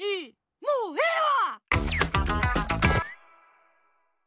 もうええわ！